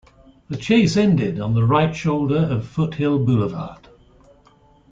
The chase ended on the right shoulder of Foothill Boulevard.